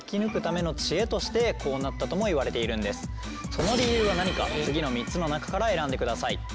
その理由は何か次の３つの中から選んでください。